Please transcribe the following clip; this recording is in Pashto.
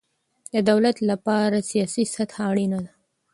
د دولت له پاره سیاسي سطحه اړینه ده.